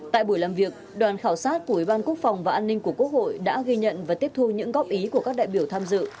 tại buổi làm việc đoàn khảo sát của ủy ban quốc phòng và an ninh của quốc hội đã ghi nhận và tiếp thu những góp ý của các đại biểu tham dự